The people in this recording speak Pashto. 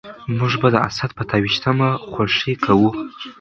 موږ به د اسد په اته ويشتمه خوښي کوو.